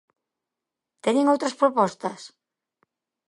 Teñen outras propostas?